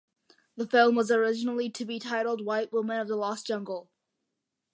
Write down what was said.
The film was originally to be titled White Woman of the Lost Jungle.